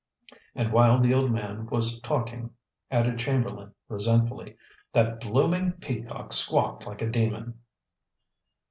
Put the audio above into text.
And while the old man was talking," added Chamberlain resentfully, "that blooming peacock squawked like a demon."